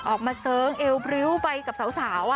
ออกมาเสิร์กเอวบริ้วไปกับสาว